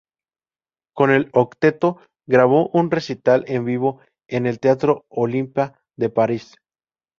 Con el Octeto grabó un recital en vivo en el teatro Olympia de París.